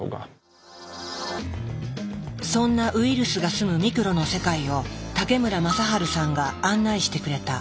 そんなウイルスが住むミクロの世界を武村政春さんが案内してくれた。